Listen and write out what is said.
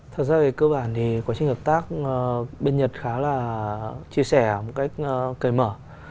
thật ra về cơ bản thì quá trình hợp tác bên nhật khá là chia sẻ một cách cởi mở